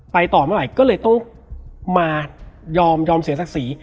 ไปต่อไม่ไหวก็เลยต้องมายอมเสียศักดิ์สี